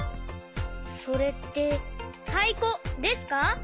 それってたいこですか？